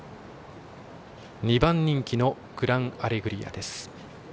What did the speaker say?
２番人気のグランアレグリアです。